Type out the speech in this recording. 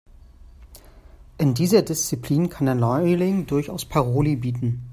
In dieser Disziplin kann der Neuling durchaus Paroli bieten.